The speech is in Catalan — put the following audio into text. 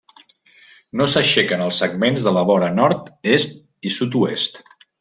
No s'aixequen els segments de la vora nord, est i sud-oest.